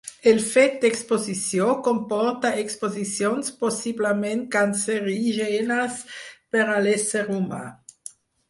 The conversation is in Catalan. El fet d'exposició comporta exposicions possiblement cancerígenes per a l'ésser humà.